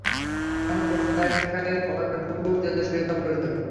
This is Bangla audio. এখন প্রশ্ন থাকে কতটুকু তেজষ্ক্রিয়তা প্রয়োজন?